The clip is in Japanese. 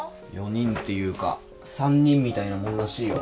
４人っていうか３人みたいなもんらしいよ。